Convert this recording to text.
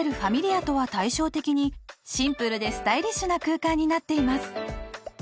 家とは対照的にシンプルでスタイリッシュな空間になっています